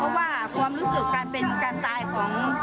เพราะว่าความรู้สึกการเป็นการตายของ